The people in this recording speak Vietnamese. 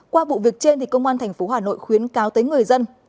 qua vụ việc trên công an tp hà nội khuyến cáo tới người dân